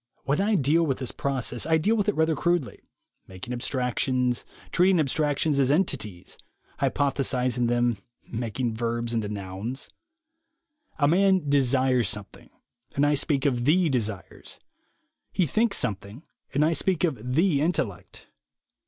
When I deal with this process, I deal with it rather crudely, making abstractions, treating abstractions as entities, hypo THE WAY TO WILL POWER 31 statizing them, making verbs into nouns. A man desires something, and I speak of "the desires"; he thinks something, and I speak of "the intellect."